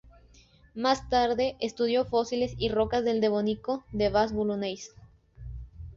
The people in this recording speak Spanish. Más tarde estudió fósiles y rocas del Devónico del Bas-Boulonnais.